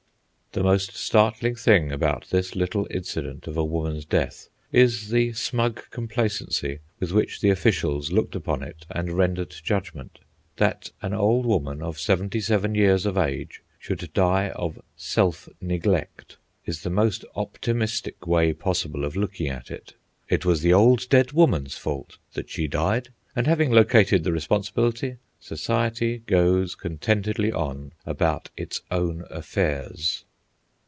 The most startling thing about this little incident of a woman's death is the smug complacency with which the officials looked upon it and rendered judgment. That an old woman of seventy seven years of age should die of SELF NEGLECT is the most optimistic way possible of looking at it. It was the old dead woman's fault that she died, and having located the responsibility, society goes contentedly on about its own affairs.